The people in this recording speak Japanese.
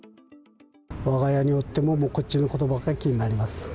わが家におっても、こっちのことばかり気になります。